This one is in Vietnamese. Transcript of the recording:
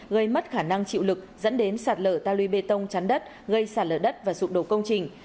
gây mất khả năng chịu lực dẫn đến sạt lở ta lưu bê tông chắn đất gây sạt lở đất và sụp đổ công trình